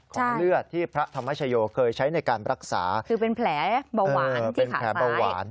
ของเลือดที่พระธรรมชโยเคยใช้ในการปรักษาคือเป็นแผลเบาหวานที่ขาซ้าย